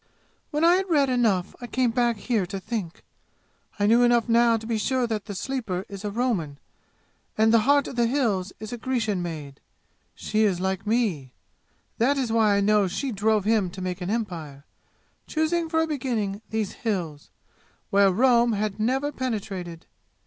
"When I had read enough I came back here to think. I knew enough now to be sure that the Sleeper is a Roman, and the 'Heart of the Hills' a Grecian maid. She is like me. That is why I know she drove him to make an empire, choosing for a beginning these 'Hills' where Rome had never penetrated.